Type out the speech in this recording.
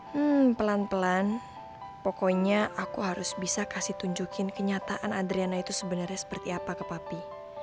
hmm pelan pelan pokoknya aku harus bisa kasih tunjukin kenyataan adriana itu sebenarnya seperti apa ke papi